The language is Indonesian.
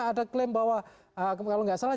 ada klaim bahwa kalau nggak salah